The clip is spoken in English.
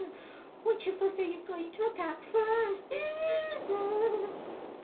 "Which of us are you going to attack first?"